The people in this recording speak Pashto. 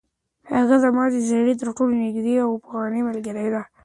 هغه زما د زړه تر ټولو نږدې او پخوانۍ ملګرې ده.